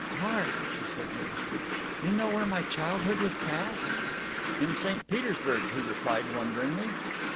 "Mark," she said nervously, "you know where my childhood was passed?" "In St. Petersburg," he replied wonderingly.